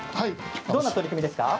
どんな取り組みですか？